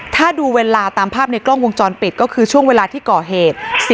ถ้าดูเวลาตามภาพในกล้องวงจรปิดก็คือช่วงเวลาที่ก่อเหตุ